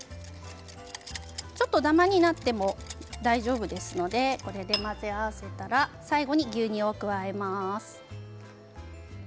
ちょっとダマになっても大丈夫ですのでこれで混ぜ合わせたら最後に牛乳を加えます。